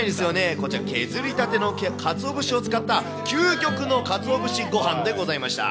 こちら、削りたてのかつお節を使った究極のかつお節ごはんでございました。